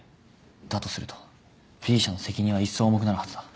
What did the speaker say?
だとするとＢ社の責任はいっそう重くなるはずだ。